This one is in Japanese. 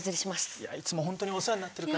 いやいつも本当にお世話になってるから。